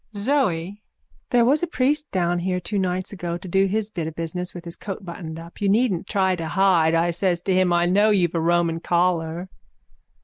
ZOE: There was a priest down here two nights ago to do his bit of business with his coat buttoned up. You needn't try to hide, I says to him. I know you've a Roman collar.